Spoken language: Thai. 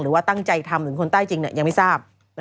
หรือว่าตั้งใจทำหรือคนใต้จริงยังไม่ทราบ